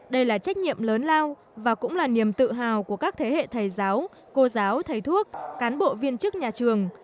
đây là trách nhiệm lớn lao và cũng là niềm tự hào của các thế hệ thầy giáo cô giáo thầy thuốc cán bộ viên chức nhà trường